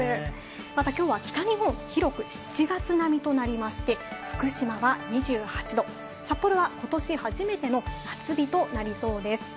また今日は北日本は広く７月並みとなりまして、福島は２８度、札幌は今年初めての夏日となりそうです。